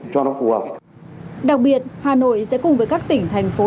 cho nó phù hợp đặc biệt hà nội sẽ cùng với các tỉnh thành phố